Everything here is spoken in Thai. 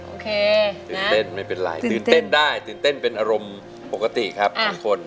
โอเคตื่นเต้นไม่เป็นไรตื่นเต้นได้ตื่นเต้นเป็นอารมณ์ปกติครับทุกคน